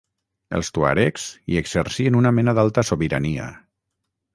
Els tuaregs hi exercien una mena d'alta sobirania.